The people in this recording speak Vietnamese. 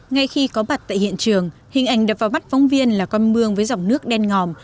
ngay khi có mặt tại hiện trường hình ảnh đập vào mắt phóng viên là con mương với dòng nước đen ngòm